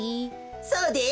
そうです。